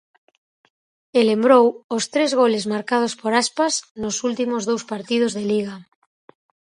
E lembrou os tres goles marcados por Aspas nos últimos dous partidos de Liga.